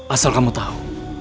asal kamu tahu